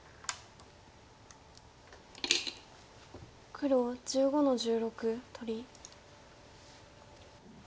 黒１５の十六取り。